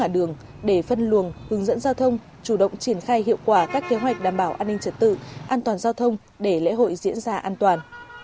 đường để phân luồng hướng dẫn giao thông chủ động triển khai hiệu quả các kế hoạch đảm bảo an ninh trật tự an toàn giao thông để lễ hội diễn ra an toàn